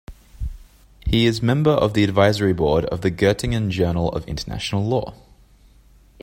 He is member of the advisory board of the Goettingen Journal of International Law.